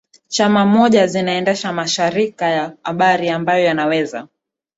Chama moja zinaendesha mashirika ya habari ambayo yanaweza